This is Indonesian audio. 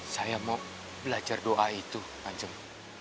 saya mau belajar doa itu macam